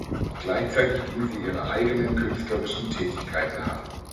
Gleichzeitig ging sie ihrer eigenen künstlerischen Tätigkeit nach.